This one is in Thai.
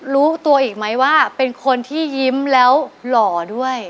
รู้ตัวอีกไหมว่าเป็นคนที่ยิ้มแล้วหล่อด้วย